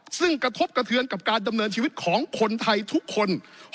ซึ่งกระทบกระเทือนกับการดำเนินชีวิตของคนไทยทุกคน